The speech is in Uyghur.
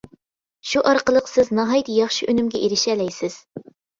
شۇ ئارقىلىق سىز ناھايىتى ياخشى ئۈنۈمگە ئېرىشەلەيسىز.